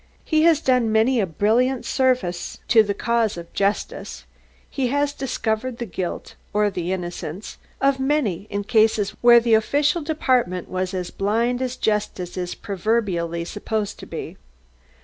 He has done many a brilliant service to the cause of justice, he has discovered the guilt, or the innocence, of many in cases where the official department was as blind as Justice is proverbially supposed to be.